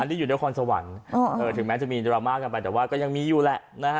ที่อยู่นครสวรรค์ถึงแม้จะมีดราม่ากันไปแต่ว่าก็ยังมีอยู่แหละนะฮะ